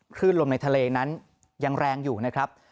คลื่นลมในทะเลนั้นยังแรงอยู่นะครับ